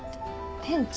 店長。